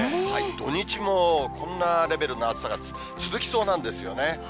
土日もこんなレベルの暑さが続きそうなんですよね。